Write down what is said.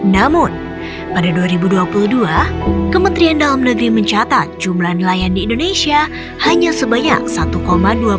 namun pada dua ribu dua puluh dua kementerian dalam negeri mencatat jumlah nelayan di indonesia hanya sebanyak satu dua juta